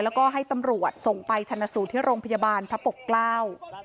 แล้วก็ให้ตำรวจเอาไปธนสูตรที่โรงพยาบาลผบกล้าว